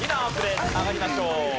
上がりましょう。